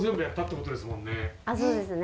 そうですね。